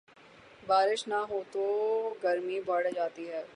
بارش نہ ہوتو گرمی بڑھ جاتی ہے۔